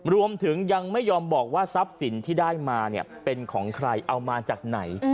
รวมถึงยังไม่ยอมบอกว่าทรัพย์สินที่ได้มาเป็นของใครเอามาจากไหน